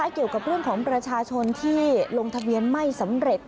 เกี่ยวกับเรื่องของประชาชนที่ลงทะเบียนไม่สำเร็จ